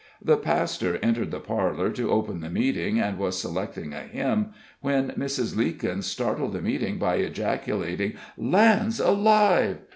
The pastor entered the parlor to open the meeting, and was selecting a hymn, when Mrs. Leekins startled the meeting by ejaculating: "Lands alive!"